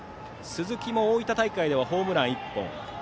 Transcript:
鈴木も大分大会ではホームラン１本。